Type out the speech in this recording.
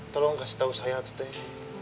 tolong kasih tau saya tuh teh